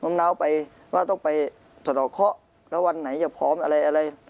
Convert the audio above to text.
น้อมน้าวไปว่าต้องไปสระเคราะห์แล้ววันไหนจะพร้อมอะไร